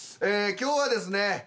え今日はですね